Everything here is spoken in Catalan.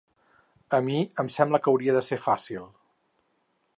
A mi em sembla que hauria de ser fàcil.